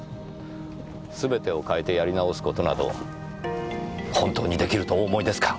すべてを変えてやり直す事など本当に出来るとお思いですか！？